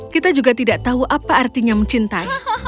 kita juga tidak tahu apa artinya mencintai